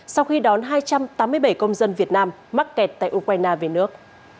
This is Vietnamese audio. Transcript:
sau khi đón hai trăm tám mươi bảy công dân việt nam mắc kẹt tại ukraine về nước